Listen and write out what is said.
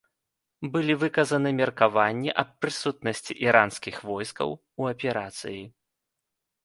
Былі выказаны меркаванні аб прысутнасці іранскіх войскаў у аперацыі.